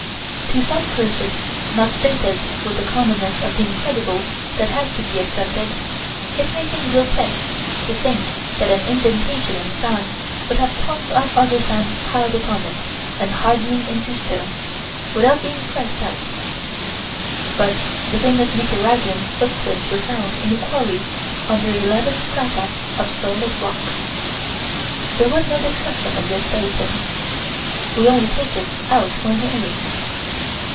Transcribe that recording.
To some persons, not sated with the commonness of the incredible that has to be accepted, it may seem grotesque to think that an indentation in sand could have tons of other sand piled upon it and hardening into stone, without being pressed out but the famous Nicaraguan footprints were found in a quarry under eleven strata of solid rock. There was no discussion of this datum. We only take it out for an airing.